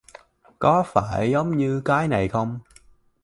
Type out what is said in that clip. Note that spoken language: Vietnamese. Có phải giống như cái này không